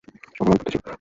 সব আমার বুদ্ধি ছিল!